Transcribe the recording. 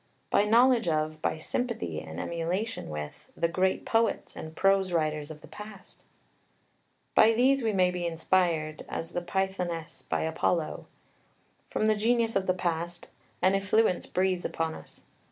By knowledge of, by sympathy and emulation with, "the great poets and prose writers of the past." By these we may be inspired, as the Pythoness by Apollo. From the genius of the past "an effluence breathes upon us."